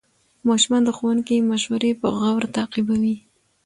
ماشومان د ښوونکي مشورې په غور تعقیبوي